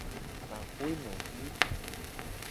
Axwenovi.